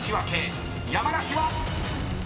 ［山梨は⁉］